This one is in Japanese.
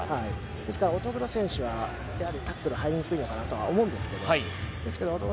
ですから、乙黒選手はやはりタックル入りにくいかなと思うんですけど乙黒